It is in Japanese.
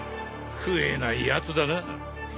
食えないやつだな。